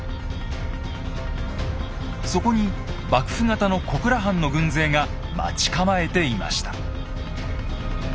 そこに幕府方の小倉藩の軍勢が待ち構えていました。